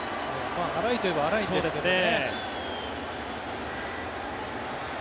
粗いといえば粗いんですけどね。